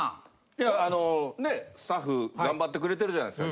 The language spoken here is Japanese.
いやあのねえスタッフ頑張ってくれてるじゃないですか。